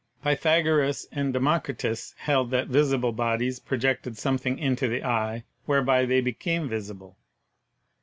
Pythagoras and Democ ritus held that visible bodies projected something into the eye whereby they became visible.